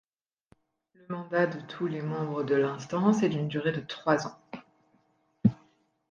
Le mandat de tous les membres de l’instance est d’une durée de trois ans.